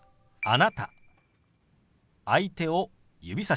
「あなた」。